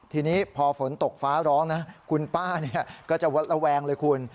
ทีนี้พอฝนตกฟ้าร้องนะคุณป้าก็จะวัดระแวงเลยคุณ